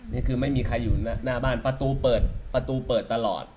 นี่คือไม่มีใครอยู่หน้าบ้านประตูเปิดประตูเปิดตลอด